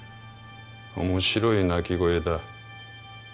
面白い鳴き声だ。